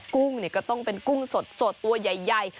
กุ้งก็ต้องเป็นกุ้งสดตัวใหญ่